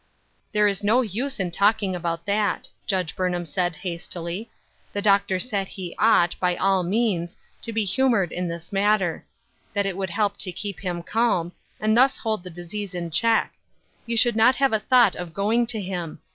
" There is no use in talking about that," Judge Burnham said, hastily ;" the doctor said he ought, by all means, to be humored in this matter ; that it would help to keep him calm, and thus hold the disease in check ; you should not have a thought of going to him.